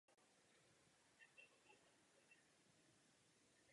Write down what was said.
Tato listina obsahuje darování hutě biskupu Janovi pražským občanem Konrádem z Příbrami.